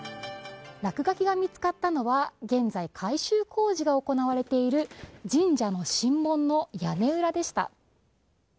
落書きが見つかったのは現在、改修工事が行われている神社の神門の屋根裏でした。